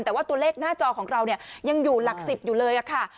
แต่ว่าตัวเลขหน้าจอของเรายังอยู่หลัก๑๐อยู่เลยค่ะ